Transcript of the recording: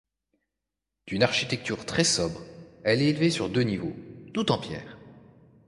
D'une architecture très sobre, elle est élevée sur deux niveaux, tout en pierre.